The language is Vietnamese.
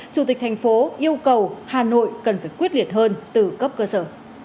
chủ tịch thành phố yêu cầu hà nội cần phải quyết liệt hơn từ cấp cơ sở